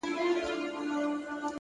هدف لرونکی ژوند ارزښت لري